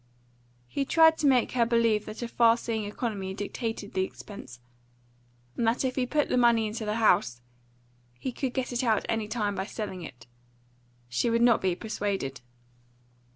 He tried to make her believe that a far seeing economy dictated the expense; and that if he put the money into the house, he could get it out any time by selling it. She would not be persuaded.